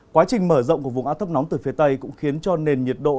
quá trình mở rộng của vùng áp thấp nóng từ phía tây cũng khiến cho nền nhiệt độ